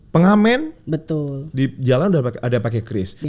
pengamen di jalan udah ada yang pakai kris